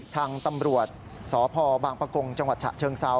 ทางตำรวจสพบางประกงจังหวัดฉะเชิงเซา